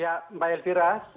ya mbak empira